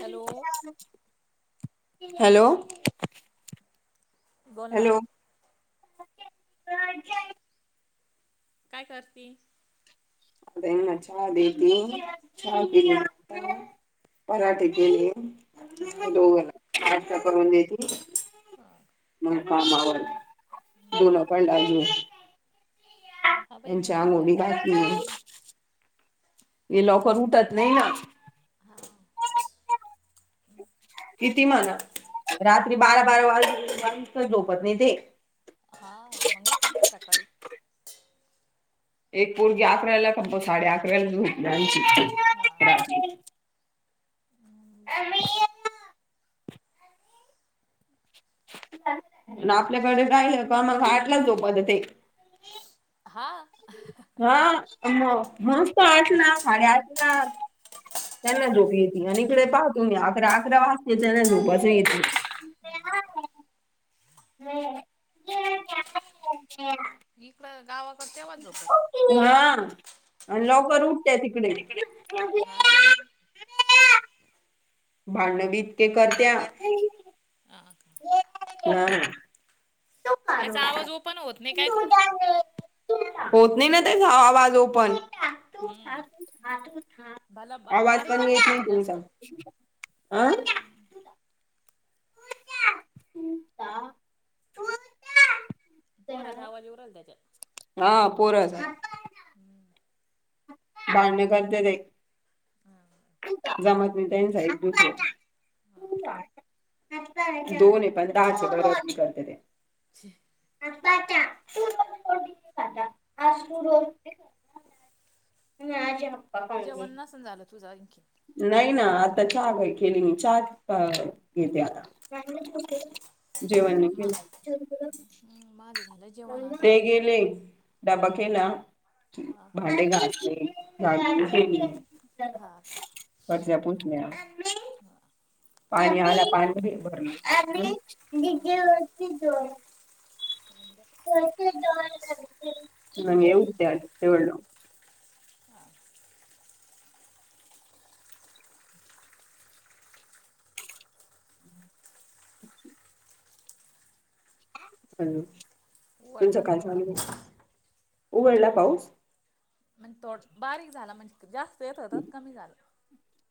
Hello hello बोल ना hello. [inaudible] काय करती? आता यांना चहा देेती चहा हा पिण्यातला पराठे हा गेले दोघं आटका करून देती. हा. मग काम आवरले. धुन भांडे अजून हा बाई मी पण आंघोळी भॅडेची घातली भाजी केली. हे लवकर उठत नाही ना. हा, हम्म. कितीही म्हणा रात्री बारा बारा वाजे वाजेस्तोवर झोपत नाही ते. हा मग उठत नाही सकाळी. एक पोरगी अकराला कम साडे अकराला झोपली आमची. हा. आणि [unintelligible] आणि आपल्याकडे काय काम आठलाच झोपत ते. हा. हा म मस्त आठला साडेआठला त्यांना झोपी येते आणि इकडे पाहतो मी अकरा अकरा वाजते त्यांना झोपच येतं नाही. हां का? [inaudible] इकडं गावाकड तेव्हाच झोपते. हा आणि लौकर उठत्या तिकडे. हा भांडवीत ते काय? हा का? हा. याचा आवाज ओपन होत नाही काय कोणु? होत नाही ना त्याचा आवाज ओपन. हम्म मला बा आवाज बारीक कमी येतोय येचाल जास्त तुमचा. अं? [unintelligible] पोराचा आवाज येऊ राहिला त्याच्यात. हा पोर [unintelligible] हम्म. भांडणे करते ते. हा. जमत नाही त्यांचं एक मिनट. दोन आहे पण दहाच [unintelligible] करत ते. [inaudible] [inaudible] [inaudible] [inaudible] जेवण नसणं झालं तुझं आणखी? नाही ना आता चहा बाई केली मी. चहा अ घेते आता. जेवण नाही मा केलं माझं झालं जेवण आता ते गेले. डबा केला, हा हा भांडे घासले हा [unintelligible] मी. हा हा. पाणी आल्यावर पाणीबी भरलं. [inaudible] [unintelligible] हा. हाव उघडला तुमच्या आता काय थोडा चालू आहे, पाऊस उघडला पाऊस? मन तोड बारीक झाला म्हणजे जास्त येत होतात कमी झालं.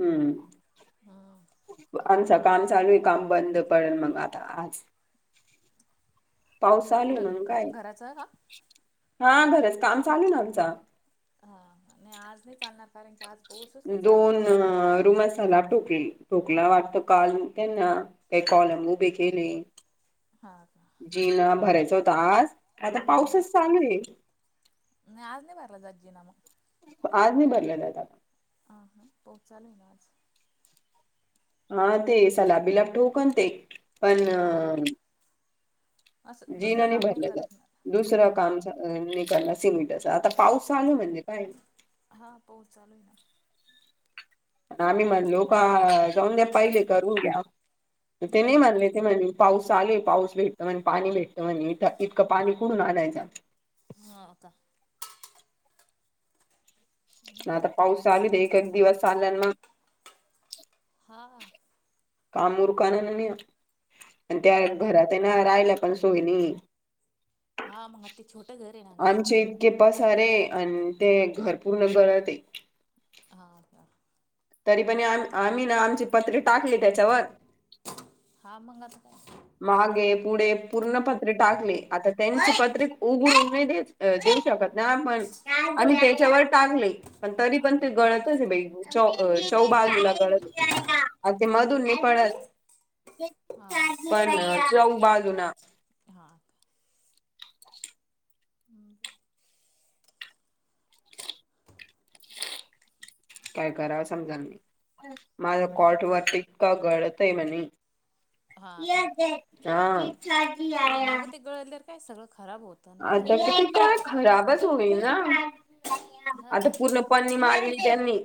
हम्म. हा. आमचा काम चालू आहे काम बंद पडेल मग आता आज. पाऊस चालू आहे इकडं ना मग काय घराचं का? हा घराच काम चालू आहे ना आमचा. हा नाही आज नाही चालणार कारण की आज पोसच लई चालू आहे. अ रूमय सालाक टोकली टोकला वाटतं काल त्यांना काही कॉलम उभे केले. हा. जीना भरायचं होत आज आता पाऊसच हम्म चालूये. नाही आज नाही बारला जात जिना म. आज नाही भरले जाता. आ हा पोउस चालूय ना आज. हा ते सलाप-बिलाब ठोकण ते पण हा अं असं जीना दुसरं नी काम नाही भरले जात करत ना दुसरं हा काम चा निकलला सिमेंटचा आता पाऊस चालू म्हणजे काय? हा पाऊस चालू आहे ना. आम्ही म्हणलो का जाऊन द्या पाहिले करून घ्या ते हा नाही हा मानले ते म्हणे पाऊस आलेय पाऊस भेटतं म्हण पाणी भेटतं म्हण इथं इतकं पाणी कुडून आणायचा? हा का? ना आता पाऊस चालू ना एक एक दिवस चालल्यानं हा. कमुरकानाने नी आणि त्या बर. घरात आहे ना राहिला पण सोयनीये हा मग आ ते छोटं घर आहे ना गं. केपा सारे अन ते घर पूर्ण गरात आहे. हा का? तरी पणी आम आम्ही ना आमची पत्रे टाकली त्याच्यावर. हा मंग आता काय? मागे पुढे पूर्ण पत्री टाकले आता त्यांची पत्री उघडू नाही दे देऊ शकत नाही आपण आणि त्याच्यावर टांगले पण तरी हा पण हा ते गळतच आहे बाई चौ अ चौबागला गळत अगदी ते पत्र मधून ही पडत हा पण चौ बाजू ना. हा. हम्म. काय कराव समजा माझा बहीण कॉर्ट वरती का गळतय आहे म्हणे हा हा. नागत ते गळल्यावर काय सगळं खराब होत. आता किती. [unintelligible] खराबच होईल ना, हा आता पूर्ण पननी मारली त्यांनी.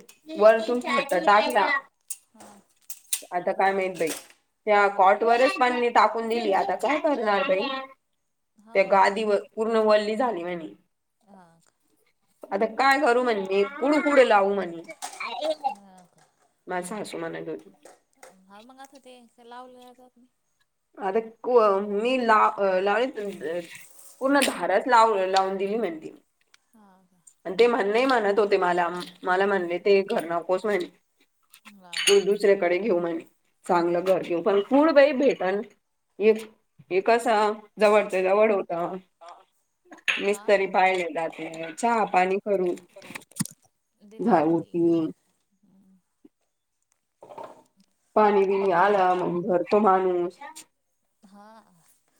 हा वरतून फेटाचा आजचा, काय माहित बाई? त्या हा कॉट वरच पननी टाकून दिली आता काय करणार बाई? हा त्या हो आता गादीवर पूर्ण वल्ली झाली म्हणी. हां. आता काय करू म्हणजे कुडू पुुढं लावू म्हणे. हा का? माझं सासुमाने डो हा मग आता ते असं लावलंया जात नाय. आता कोवम मी ला लावीन त अ पूर्ण धाराच लाव लावून दिली म्हणती. हा हा. आणि ते म्हणले म्हणत होते मला म मला म्हणले ते घर नकोस म्हण ला ते दुसऱ्याकडे घेऊ म्हण चांगलं घर घेऊ पण कुड बाई भेटन. हे हे कसं जवळच्या जवळ होता. हा मिस्तरी पाहिले जाते चहा पाणी करू दिल्या झाऊ जाती पिऊन [inaudible] पाणी बीनी आलं मग भरतो माणूस हा.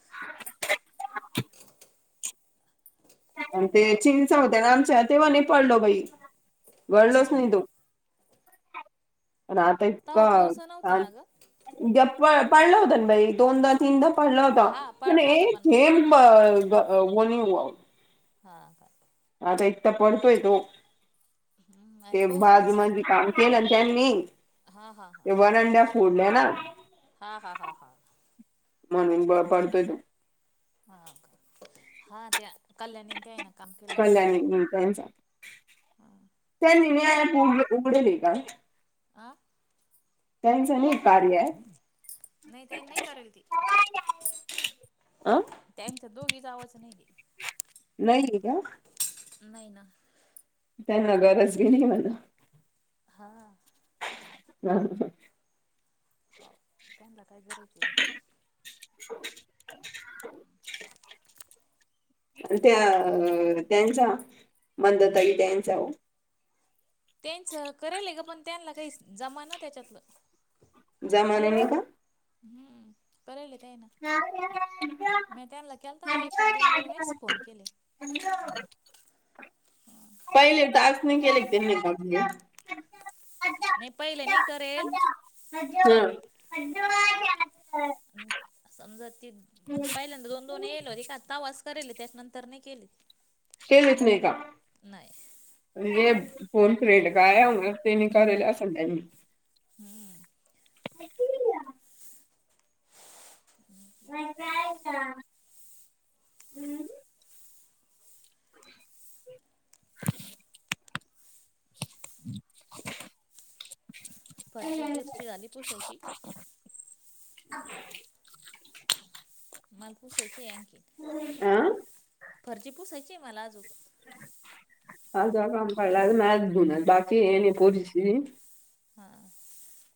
[inaudible] आणि ते चिंच होत्या ना आमच्या ते माने पडलो बाई गडलोच नाही तो. पण आता तवा इतकं पाऊस नव्हता ताण ना ग उदया पड पडला होता ना बाई दोनदा तीनदा पडला होता हा पण पडला होता एक मग थेम बं ग वनी वव हां का? आता एक तर पडतोय तो आणि ते पाऊस पण बाजू माझी काम केलं ना त्यांनी हा हा हा ते वनंड्या फोडल्या ना हा हा हा. म्हणून ब पाडतोय तो. हा का हा त्या कल्याणीन ते आहे ना काम केलं ना कल्याणी नी त्यांचा त्यांनी मी ऐप उ उघडली का? आ त्यांचा नी कार्य ऐप? नाही त्यानं नाही करल ती. आं त्यांचा दोघीचा आवाजं नाहीये. नाहीये का? नाही ना. त्यांना गरज बी नाही आहे म्हणा. हा. [unintelligible] हाव त्यांना काय गरज आहे. आणि त्या त्यांचा मंदा ताई त्यांचा हो. त्यांचा करेल आहे ग पण त्यांना काही जमा ना त्याच्यातलं. जमाने नी का? हम्म, करायला त्यांना म त्यांला केलताना एक-एक, दोन-दोन वेळेस फोन केले. पहिले टास्क नाय केले त्यांनी. [unintelligible] नाही पहिले नाही करेल. हां. समजा ती पहिल्यांदा दोन-दोन येल होते का आता वाच तरेले त्याच्यानंतर नाय केले. कलेचं नाय का? आणि ये फोन फ्रेंड काय ते नी करेल असं. [unintelligible] हम्म. [unintelligible] हम् मग जायचा हम्म. [inaudible] हम् फरची पीरची झाली पोसायची? के माल पूसायची ऐंकी आं फर्ची पुसायचीय आहे मला अजून. [unintelligible] हा.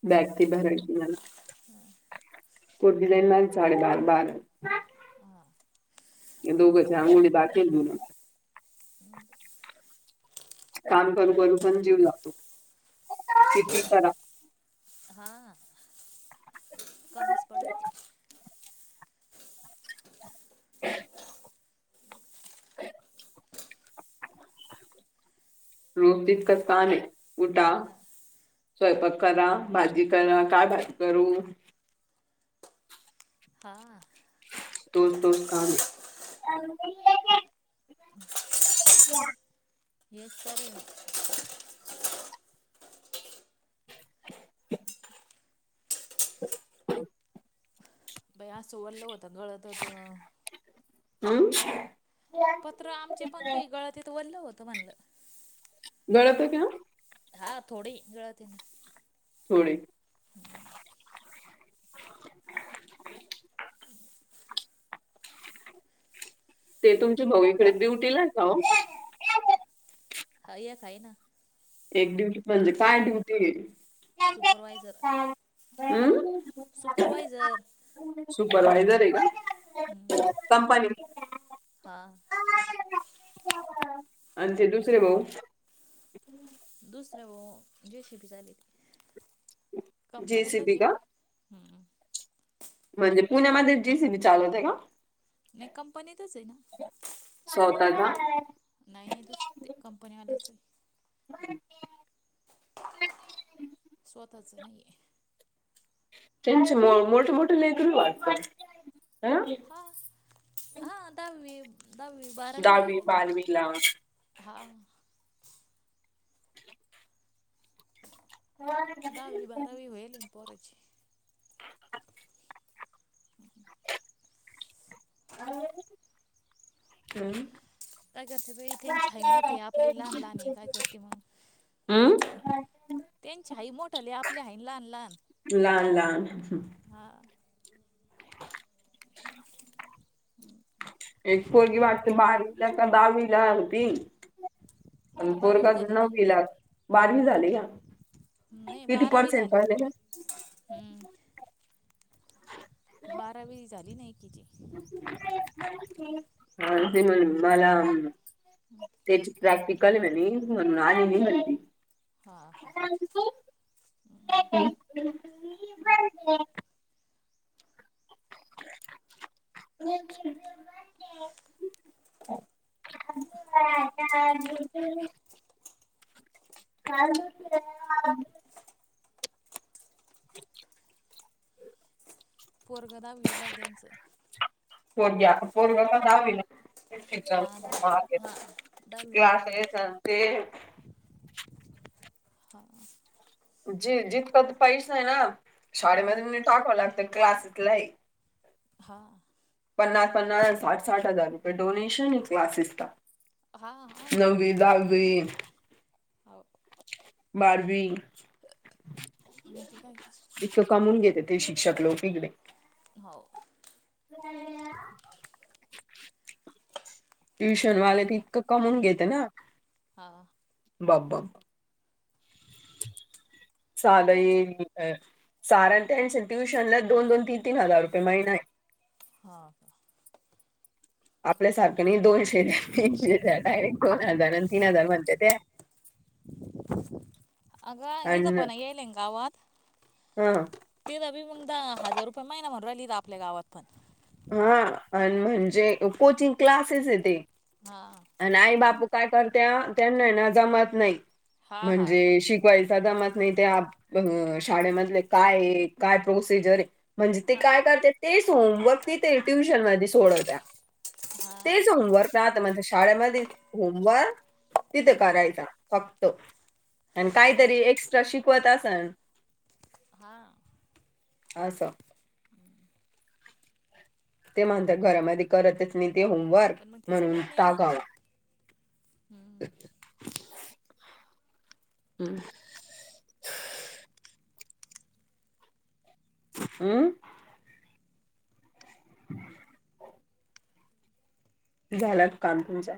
बॅग ती भरायची झालं. हा. पोरगी जाईन माझी साडे बारा, बारा. हा. या दोघंचे अंघोळी बाकी. [unintelligible] हम काम करू करू पण जीव लागतो किती ही करा. हा. कमीच पडत ते. [inaudible] रोज तितकांच कामं आहे उटा हां स्वयंपाक करा, भाजी करा काय भाजी करू? हा. तोच तोच काम आहे. [unintelligible] येस सरं [inaudible] बाई असं ओल्ल होतं गळत होतं. हम्म. पत्रे आमचे पण काही गळतेत वल्लं होतं म्हणलं. गळतोय त्या? हा थोडी गळती ना. थोडी ते तुमच्या भाऊ इकडे ड्युटीला आहे का हो? हाय एक आहे ना. एक ड्युटी म्हणजे काय ड्युटी? सुपरवायझर हम्म सुपरवायझर. सुपरवायझर आहे का? कंपनी हा. आणि ते दुसरे भाऊ? हम् दुसरं भाऊ जे सी पी चालविते कंपनीतच जेसीबी हे का? पण. हां. म्हणजे पुण्यामध्ये जी सी बी चालवतय का? नाही कंपनीतच आहे ना. सोवता का? नाही-नाही दुस ते कंपनीवाल्याचा आहे. [unintelligible] स्वतःचा नाहीये. त्यांच मोठे-मोठे लेकरू वाटतं आ हा दहावी दहावी बारवी दहावी होईले ना. बारावीला हा. दहावी बारावी होईलेन पोराची. काय रे हम्म. काय करते बाई त्यांचा आहे मोठे आपली आहे लहान-लहान आहे काय करते मग. हम्म. त्यांची हाई मोठं लय आपल्या हाईन लहान-लहान लहान लहान हा. हां. एक पोरगी वाटते बारवीला काय दहावीला होती. पण आता पोरगा बारावी झाली ना नववीला बारवी झाली का? नाही किती बारावी पर्सेंट झाली पडले का? हम्म. बारावी झाली नाही एकिचीे. हा ते म्हण मला म्हणनं. तेची प्रॅक्टिकल मनी म्हणून आली नी म्हणती. हा हा [unintelligible] [unintelligible] [unintelligible] [unintelligible] [unintelligible] पोरगा दहावीला आहे त्यांचा. पोरगी आता पोरगा तर दहावीला [unintelligible] ते हा दहा हा दहावीला गेलं अशे ना हे ते चालते. हां. जे जित पत पैशे आहे ना हा शाळेमध्ये टाकावे लागते क्लास इथला आहे. हा. पन्नास-पन्नास, साठ-साठ हजार रुपये डोनेशन आहे क्लासेसला. हा नववी, दहावी हाव बारवी म्हणते काय कसं? इतकं कामवून घेते ते शिक्षक लोकं इकडे. हाव [unintelligible] ट्यूशनवालेत इतकं कमवून घेतं ना. हा. बाप बाप. त्यांच चालेय अ सारान टेन्शन ट्युशनला दोन-दोन, तीन-तीन हजार रुपये महिना आहे. हा का? आपल्यासारख्यांनी दोनशे, तिनशे ज्यादा आहे दोन‌ हजार आणि तीन हजार म्हणते त्या. [inaudible] अगं अंकिता पण यायलेन गावात? हां. [unintelligible] हजार रुपया महिना मरवली आपल्या गावात पण. हा आणि म्हणजे कोचिंग क्लासेस आहे ते. हा. आणि आई बापू काय करत्या त्यांना ना जमत नाही हा हा म्हणजे शि येयाचा दमत नाही त्या आ शाळेमधले काय आहे काय प्रोसिजर आहे म्हणजे ते हा काय करते तेच होमवर्क दते ट्युशन मध्ये सोडवत्या. हा तेच होमवर्क. [unintelligible] शाळेमध्ये होमवर्क तिथे करायचा फक्त. आणि पण काहीतरी एक्स्ट्रा शिकवत असणं हा. असं ते म्हणत्या घरामध्ये करतच नी ते होमवर्क पण मग ते म्हणून जमत नाही ना टाकावा. हम्म [unintelligible] हम्म. अम्म. [inaudible] झालात काम तुमच?